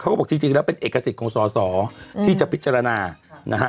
เขาบอกจริงแล้วเป็นเอกสิทธิ์ของสอสอที่จะพิจารณานะฮะ